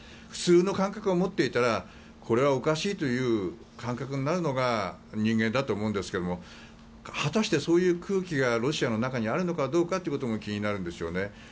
普通の感覚を持っていたらこれはおかしいという感覚になるのが人間だと思うんですけど果たして、そういう空気がロシアの中にあるのかどうかってことも気になるんですよね。